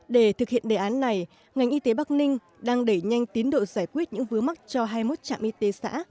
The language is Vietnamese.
để thực hiện đề án này ngành y tế bắc ninh đang đẩy nhanh tiến độ giải quyết những vướng mắc cho hai mươi một trạm y tế xã